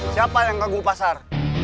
siapa yang ganggu pasar